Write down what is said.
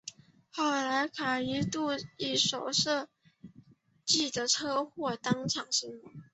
后来在里卡度一手设计的车祸中当场身亡。